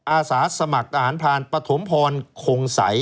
อาสาสมัครทหารพรานปฐมพรคงสัย